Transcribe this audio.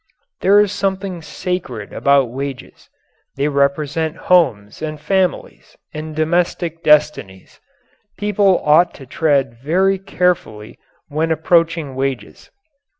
There is something sacred about wages they represent homes and families and domestic destinies. People ought to tread very carefully when approaching wages.